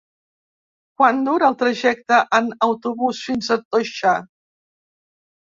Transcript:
Quant dura el trajecte en autobús fins a Toixa?